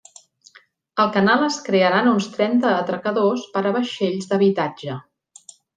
Al canal es crearan uns trenta atracadors per a vaixells d'habitatge.